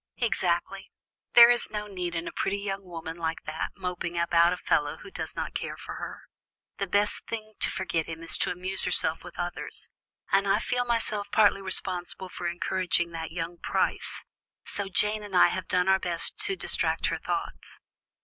"Exactly; there is no use in a pretty young woman like that moping about a fellow who does not care for her; the best way to forget him is to amuse herself with others, and I feel myself partly responsible for encouraging that young Price, so Jane and I have done our best to distract her thoughts.